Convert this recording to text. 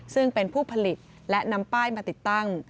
ซึ่งเป็นผู้ผลิตและนำป้ายมาติดตั้ง